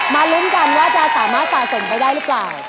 ลุ้นกันว่าจะสามารถสะสมไปได้หรือเปล่า